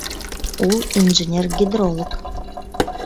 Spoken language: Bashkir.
Ул инженер-гидролог